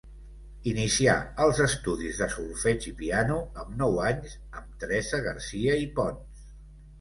Inicià els estudis de solfeig i piano amb nou anys amb Teresa Garcia i Pons.